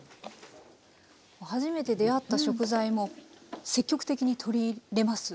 初めて出会った食材も積極的に取り入れます？